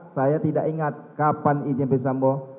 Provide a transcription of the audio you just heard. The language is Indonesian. saya tidak ingat kapan ini sampai sampai sekarang